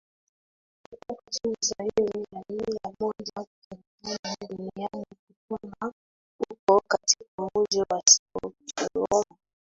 kutoka nchi zaidi ya mia moja thelathini duniani kukutana huko katika mji wa stockholm